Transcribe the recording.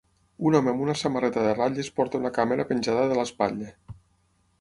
Un home amb una samarreta de ratlles porta una càmera penjada de l'espatlla.